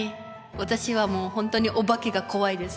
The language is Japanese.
私はもう本当におばけが怖いです。